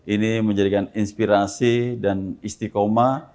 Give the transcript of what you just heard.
ini menjadikan inspirasi dan istiqomah